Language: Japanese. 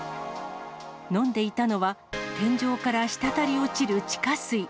飲んでいたのは、天井から滴り落ちる地下水。